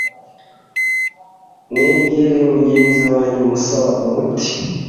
negereye mugenzi wanjye musaba umuti